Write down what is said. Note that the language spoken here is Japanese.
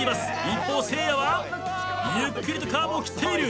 一方せいやはゆっくりとカーブを切っている。